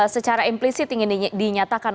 secara implisit ingin dinyatakan